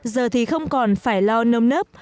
giờ thì không còn phải lo nông dân